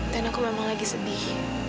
aku memang lagi sedih